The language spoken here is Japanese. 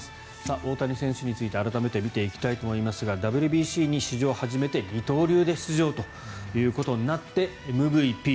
大谷選手について改めて見ていきたいと思いますがＷＢＣに史上初めて二刀流で出場となってＭＶＰ